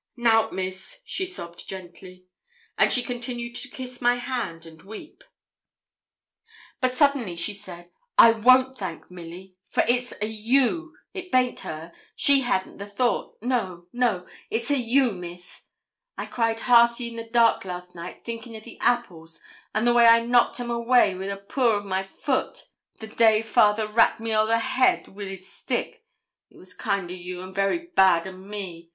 'Nout, Miss,' she sobbed gently; and she continued to kiss my hand and weep. But suddenly she said, 'I won't thank Milly, for it's a' you; it baint her, she hadn't the thought no, no, it's a' you, Miss. I cried hearty in the dark last night, thinkin' o' the apples, and the way I knocked them awa' wi' a pur o' my foot, the day father rapped me ower the head wi' his stick; it was kind o' you and very bad o' me.